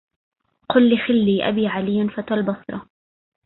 قل لخلي أبي علي فتى البصرة